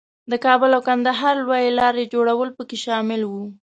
د کابل او کندهار لویې لارې جوړول پکې شامل وو.